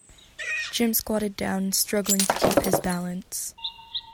Jim squatted down, struggling to keep his balance.